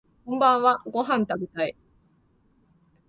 こんばんはご飯食べたい